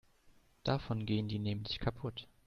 Davon gehen die nämlich kaputt.